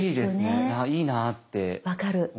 分かる。